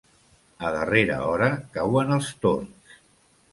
A darrera hora cauen els tords.